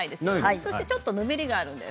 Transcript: そしてちょっとぬめりがあるんです。